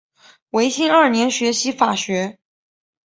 维新二年学习法学。